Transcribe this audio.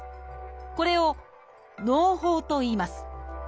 これを「のう胞」といいます。